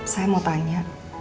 saya mau tanya